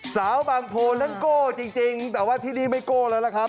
บางโพนั้นโก้จริงแต่ว่าที่นี่ไม่โก้แล้วล่ะครับ